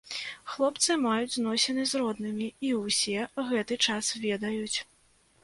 Хлопцы маюць зносіны з роднымі, і ўсе гэты час ведаюць.